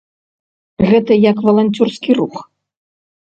Гэта як валанцёрскі рух.